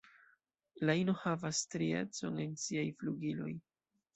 La ino havas striecon en siaj flugiloj.